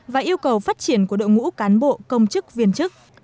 và yêu cầu phát triển của đội ngũ cán bộ công chức viên chức